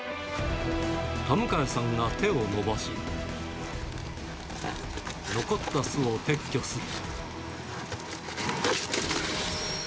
田迎さんが手を伸ばし、残った巣を撤去する。